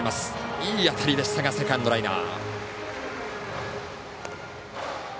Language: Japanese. いい当たりでしたがセカンドライナー。